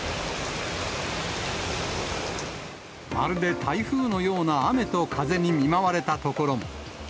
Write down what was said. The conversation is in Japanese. まるで台風のような雨の風に見舞われた所も。